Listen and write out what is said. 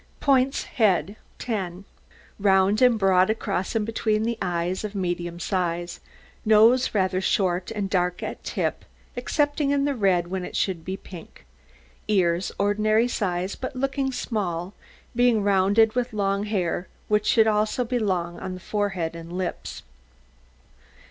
POINTS HEAD 10 Round, and broad across and between the eyes, of medium size; nose rather short and dark at tip, excepting in the red, when it should be pink; ears ordinary size, but looking small, being surrounded with long hair, which should also be long on the forehead and lips.